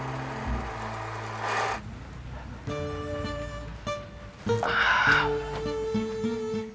masih mau bertahan di sini